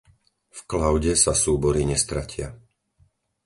V cloude sa súbory nestratia.